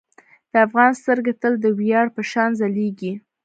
د افغان سترګې تل د ویاړ په شان ځلیږي.